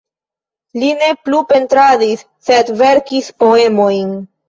Li ne plu pentradis, sed verkis poemojn.